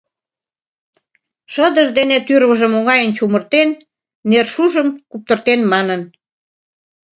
Шыдыж дене тӱрвыжым оҥайын чумыртен, нершужым куптыртен манын: